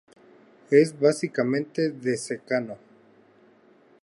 Es básicamente de secano.